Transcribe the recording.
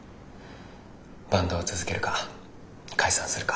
バンドを続けるか解散するか。